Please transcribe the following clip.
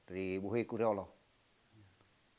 dianggap sebagai basing